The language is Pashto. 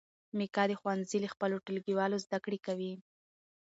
میکا د ښوونځي له خپلو ټولګیوالو زده کړې کوي.